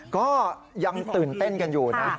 ก็ยังตื่นเต้นกันอยู่นะ